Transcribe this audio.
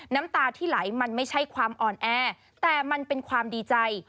น้ำตาที่ไหลมันไม่ใช่ความอ่อนแอแต่มันเป็นความดีใจ